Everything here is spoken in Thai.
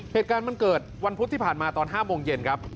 เหตุการณ์มันเกิดวันพุธที่ผ่านมาตอน๕โมงเย็นครับ